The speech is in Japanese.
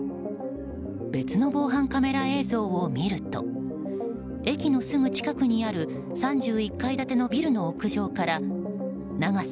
別の防犯カメラ映像を見ると駅のすぐ近くにある３１階建てのビルの屋上から長さ